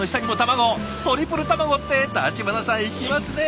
トリプル卵って橘さんいきますね！